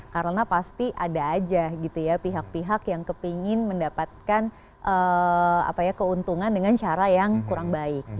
karena pasti ada aja pihak pihak yang kepingin mendapatkan keuntungan dengan cara yang kurang baik